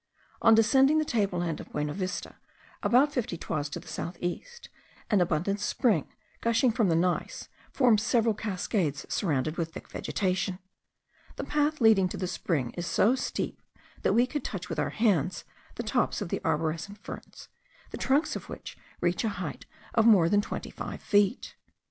On descending the table land of Buenavista, about fifty toises to the south east, an abundant spring, gushing from the gneiss, forms several cascades surrounded with thick vegetation. The path leading to the spring is so steep that we could touch with our hands the tops of the arborescent ferns, the trunks of which reach a height of more than twenty five feet.